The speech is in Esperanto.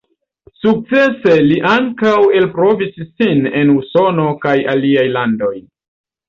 Sukcese li ankaŭ elprovis sin en Usono kaj aliaj landoj.